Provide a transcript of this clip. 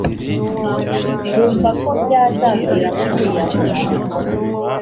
numva ko byazamviraho kwiyahura.